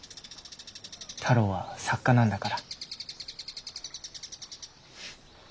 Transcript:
太郎は作家なんだから。